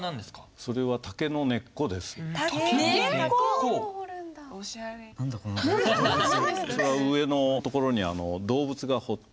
それは上のところに動物が彫って。